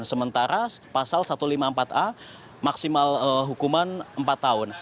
sementara pasal satu ratus lima puluh empat a maksimal hukuman empat tahun